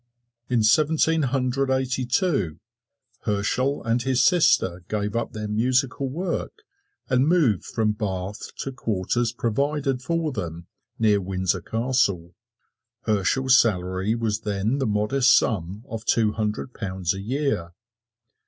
In Seventeen Hundred Eighty two Herschel and his sister gave up their musical work and moved from Bath to quarters provided for them near Windsor Castle. Herschel's salary was then the modest sum of two hundred pounds a year.